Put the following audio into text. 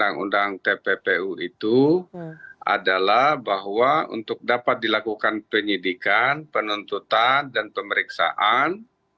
yang tppu itu adalah bahwa untuk dapat dilakukan penyelidikan penuntutan dan pemeriksaan